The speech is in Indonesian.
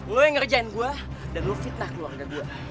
lu yang ngerjain gue dan lu fitnah keluarga gue